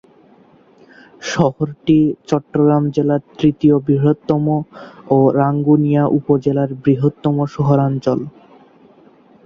শহরটি চট্টগ্রাম জেলার তৃতীয় বৃহত্তম ও রাঙ্গুনিয়া উপজেলার বৃহত্তম শহরাঞ্চল।